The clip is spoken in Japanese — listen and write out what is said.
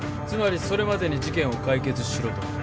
つまりそれまでに事件を解決しろと？